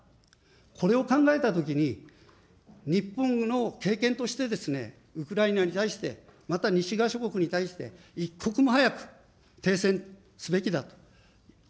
これを考えたときに、日本の経験として、ウクライナに対して、また西側諸国に対して、一刻も早く停戦すべきだと。